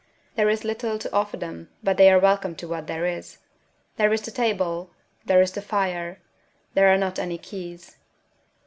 There is little to offer them, but they are welcome to what there is. There is the table. There is the fire. There are not any keys.